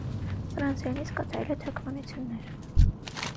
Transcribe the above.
Ֆրանսերենից կատարել է թարգմանություններ։